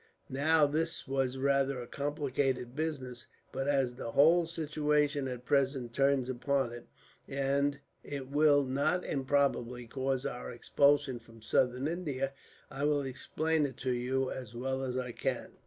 Now this was rather a complicated business; but as the whole situation at present turns upon it; and it will, not improbably, cause our expulsion from Southern India; I will explain it to you as well as I can.